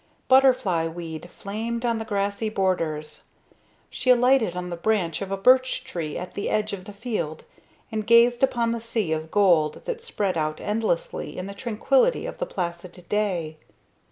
Butterfly weed flamed on the grassy borders. She alighted on the branch of a birch tree at the edge of the field and gazed upon the sea of gold that spread out endlessly in the tranquillity of the placid day.